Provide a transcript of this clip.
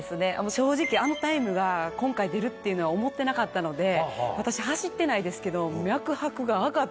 正直あのタイムが今回出るっていうのは思ってなかったので私走ってないですけど。